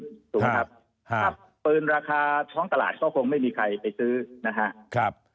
สูงครับครับปืนราคาท้องตลาดก็คงไม่มีใครไปซื้อนะฮะครับ